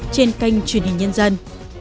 trên kênh truyền hình nhân dân